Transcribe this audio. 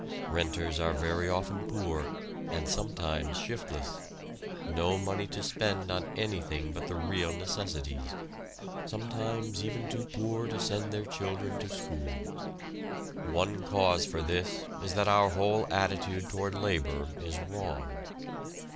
"Renters" are very often very poor, and sometimes shiftless no money to spend on anything but the real necessities; sometimes even too poor to send their children to school. One cause for this is that our whole attitude toward labor is wrong.